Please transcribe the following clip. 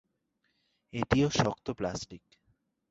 এটিও শক্ত প্লাস্টিক।